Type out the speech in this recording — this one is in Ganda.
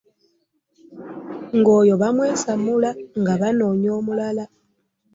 Ng'oyo bamwesammula nga banoonyayo omulala.